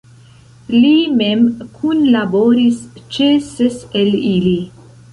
Li mem kunlaboris ĉe ses el ili.